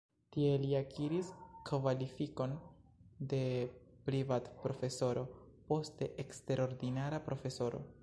Tie li akiris kvalifikon de privatprofesoro, poste eksterordinara profesoro.